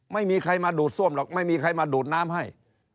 ไม่มีใครมาดูดซ่วมหรอกไม่มีใครมาดูดน้ำให้